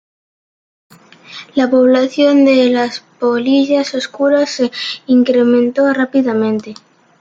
La población de las polillas oscuras se incrementó rápidamente.